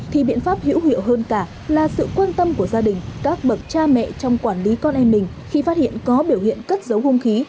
thì biện pháp hữu hiệu hơn cả là sự quan tâm của gia đình các bậc cha mẹ trong quản lý con em mình khi phát hiện có biểu hiện cất dấu hung khí